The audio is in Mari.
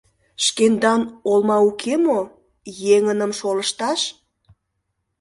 Шкендан олма уке мо еҥыным шолышташ?»